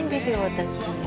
私。